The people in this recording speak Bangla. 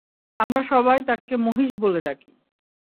আমরা সবাই তাকে মহিষ বলে ডাকি।